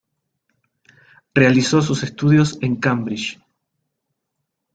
Realizó sus estudios en Cambridge.